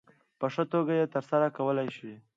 په ښه توګه یې ترسره کولای شي.